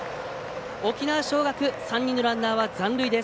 沖縄尚学、３人のランナーは残塁。